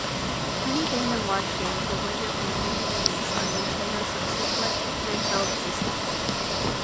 Many Game and Watch games would later be re-released on Nintendo's subsequent handheld systems.